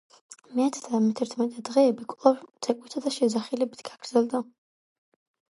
მეათე და მეთერთმეტე დღეები კვლავ ცეკვებითა და შეძახილებით გრძელდება.